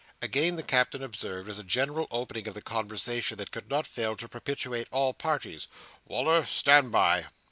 Again the Captain observed, as a general opening of the conversation that could not fail to propitiate all parties, "Wal"r, standby!"